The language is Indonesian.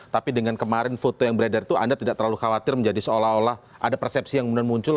tapi dengan kemarin foto yang beredar itu anda tidak terlalu khawatir menjadi seolah olah ada persepsi yang kemudian muncul